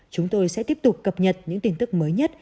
chúng tôi sẽ tiếp tục cập nhật những tin tức mới nhất